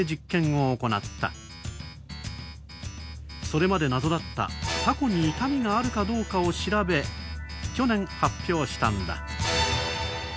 それまで謎だったタコに痛みがあるかどうかを調べ去年発表したんだ。